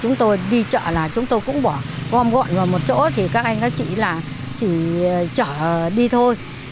chúng tôi đi chợ là chúng tôi cũng bỏ gom gọn vào một chỗ thì các anh các chị là chỉ chở đi thôi